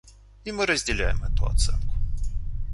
И мы разделяем эту оценку.